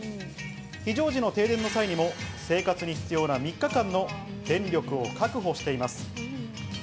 非常時の停電の際にも生活に必要な３日間の電力を確保しています。